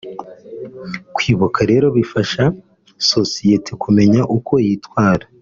Kwibuka rero bifasha sosiyete kumenya uko yitwara